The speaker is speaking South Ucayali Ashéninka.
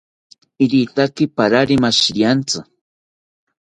Irotaki parari mashiriantzi